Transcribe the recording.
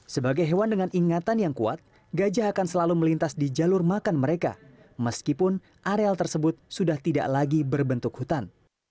sebagai hewan dengan ingatan yang kuat gajah akan selalu melintas di jalur makan mereka meskipun areal tersebut sudah tidak lagi berbentuk hutan